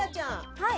はい。